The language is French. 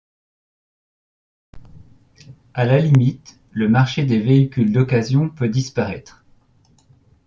À la limite, le marché des véhicules d’occasion peut disparaître.